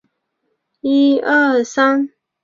你还是放弃吧